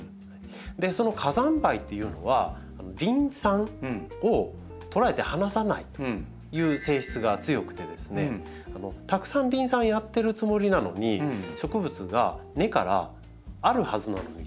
その火山灰っていうのはリン酸をとらえて離さないという性質が強くてですねたくさんリン酸やってるつもりなのに植物が根からあるはずなのに吸えないっていう状態になるんですよ。